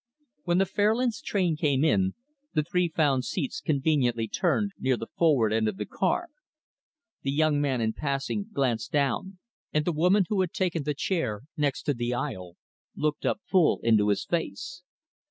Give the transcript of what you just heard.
When the Fairlands train came in, the three found seats conveniently turned, near the forward end of the car. The young man, in passing, glanced down; and the woman, who had taken the chair next to the aisle, looked up full into his face.